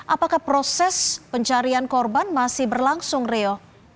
apakah proses pencarian korban masih berlangsung rio